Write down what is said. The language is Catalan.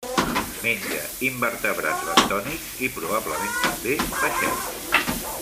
Menja invertebrats bentònics i, probablement també, peixets.